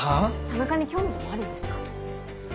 田中に興味でもあるんですか？